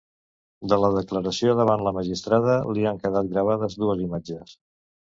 De la declaració davant la magistrada, li han quedat gravades dues imatges.